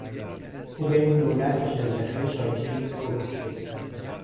او بین دولت و شرکتهای شاکی حکم شد.